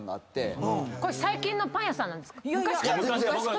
これ最近のパン屋さんなんですか？